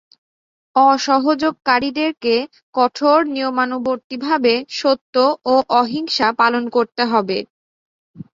অসহযোগকারীদেরকে কঠোর নিয়মানুবর্তীভাবে সত্য ও অহিংসা পালন করতে হবে।